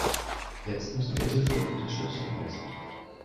Jetzt müssen wir Hilfe und Unterstützung leisten.